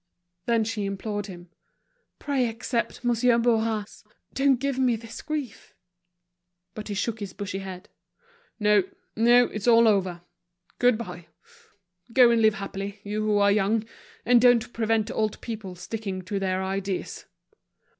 Then she implored him: "Pray accept, Monsieur Bourras; don't give me this grief." But he shook his bushy head. "No, no, it's all over. Good bye. Go and live happily, you who are young, and don't prevent old people sticking to their ideas."